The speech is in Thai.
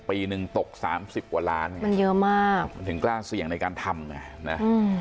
ปีนึงตก๓๐กว่าล้านมันเยอะมากถึงกล้าเสี่ยงในการทำ